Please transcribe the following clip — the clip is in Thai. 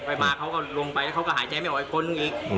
มาเขาก็ลงไปแล้วเขาก็หายใจไม่ออกอีกคนอีก